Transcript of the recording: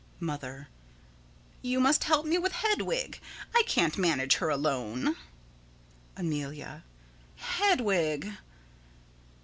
Mother: You must help me with Hedwig. I can't manage her alone. Amelia: Hedwig!